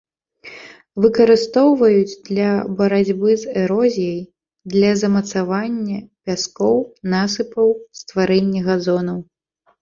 Выкарыстоўваюць для барацьбы з эрозіяй, для замацавання пяскоў, насыпаў, стварэння газонаў.